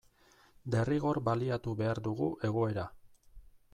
Derrigor baliatu behar dugu egoera.